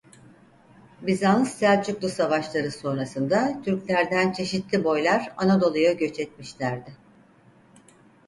Bizans-Selçuklu savaşları sonrasında Türklerden çeşitli boylar Anadolu'ya göç etmişlerdi.